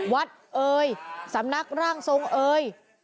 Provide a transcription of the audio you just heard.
เอ่ยสำนักร่างทรงเอ่ย